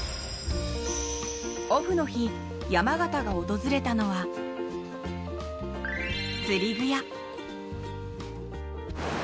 オフの日、山縣が訪れたのは釣具屋。